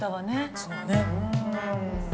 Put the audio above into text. そうね。